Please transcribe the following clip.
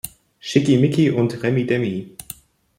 Schickimicki und Remmidemmi.